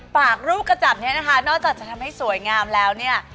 ปากรูปกระจับเนี่ยนะคะนอกจากจะทำให้สวยงามแล้วเนี่ย